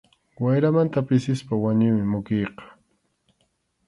Wayramanta pisispa wañuymi mukiyqa.